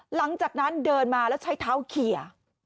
หลังจากนั้นเดินมาแล้วใช้เท้าเขีย